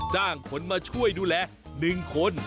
จ้างคนมาช่วยดูแล๑คน